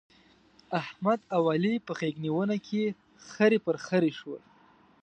احمد او علي په غېږ نيونه کې خرې پر خرې شول.